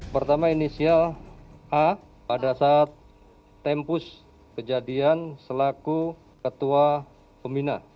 pertama inisial a pada saat tempus kejadian selaku ketua pembina